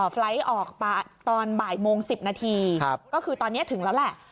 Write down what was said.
ไฟล์ทออกตอนบ่ายโมง๑๐นาทีก็คือตอนนี้ถึงแล้วแหละ